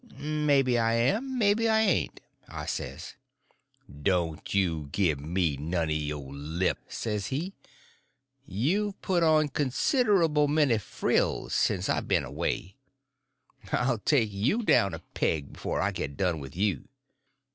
"Maybe I am, maybe I ain't," I says. "Don't you give me none o' your lip," says he. "You've put on considerable many frills since I been away. I'll take you down a peg before I get done with you.